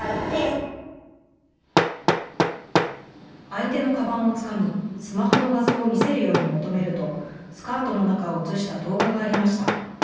相手のかばんをつかみスマホの画像を見せるように求めるとスカートの中を写した動画がありました。